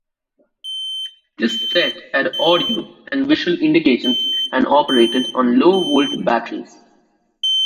This set had audio and visual indications and operated on low volt batteries.